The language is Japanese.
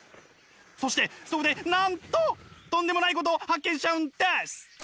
そしてそこでなんととんでもないことを発見しちゃうんです！